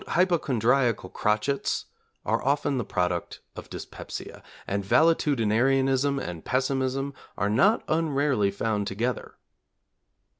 'Hypochondriacal crotchets' are often the product of dyspepsia, and valetudinarianism and pessimism are not unrarely found together.